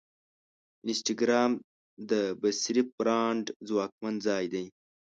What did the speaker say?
انسټاګرام د بصري برانډ ځواکمن ځای دی.